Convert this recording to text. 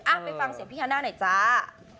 ไปฟังเสียงพี่ฮาน่าหน่อยจ้า